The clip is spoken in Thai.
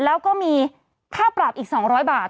แล้วก็มีค่าปรับอีก๒๐๐บาท